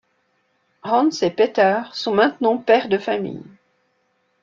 Hans et Peter sont maintenant pères de familles.